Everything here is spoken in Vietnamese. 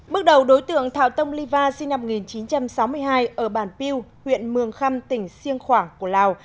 bước đầu đối tượng thảo tông lý va sinh năm một nghìn chín trăm sáu mươi hai ở bàn piêu huyện mường khăm tỉnh siêng khoảng của lào